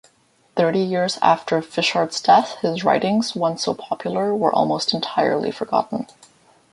Thirty years after Fischart's death, his writings, once so popular, were almost entirely forgotten.